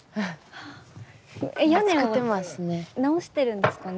屋根を直しているんですかね？